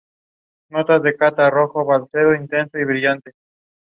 The lighthouse is perched on an escarpment of dominating the river.